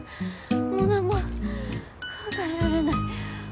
もう何も考えられない